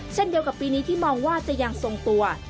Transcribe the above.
เช่นเดียวกับปีนี้ที่มองว่าจะยังทรงตัว